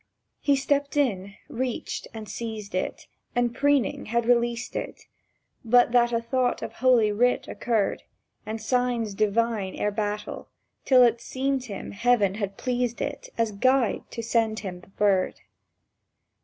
He stepped in, reached, and seized it, And, preening, had released it But that a thought of Holy Writ occurred, And Signs Divine ere battle, till it seemed him Heaven had pleased it As guide to send the bird.